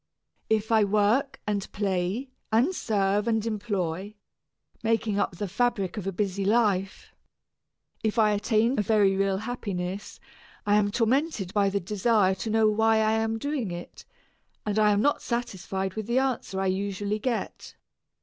If I work and play and serve and employ, making up the fabric of a busy life, if I attain a very real happiness, I am tormented by the desire to know why I am doing it, and I am not satisfied with the answer I usually get.